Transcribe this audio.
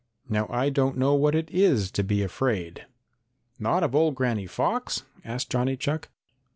"Now I don't know what it is to be afraid." "Not of old Granny Fox?" asked Johnny Chuck.